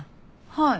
はい。